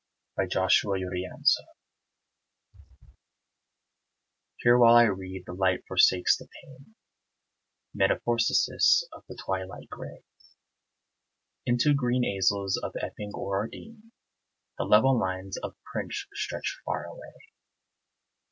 AS YOU LIKE IT Here while I read the light forsakes the pane; Metempsychosis of the twilight gray Into green aisles of Epping or Ardenne The level lines of print stretch far away.